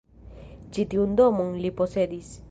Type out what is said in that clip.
Ĉi tiun domon li posedis.